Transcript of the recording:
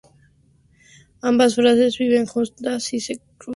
Ambas fases viven juntas y se cruzan.